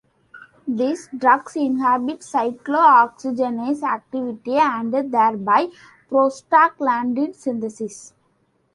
These drugs inhibit cyclo-oxygenase activity and thereby prostaglandin synthesis.